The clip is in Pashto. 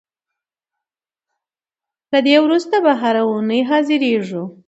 له دې وروسته به هر اوونۍ حاضرېږو.